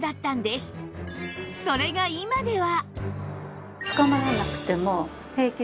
それが今では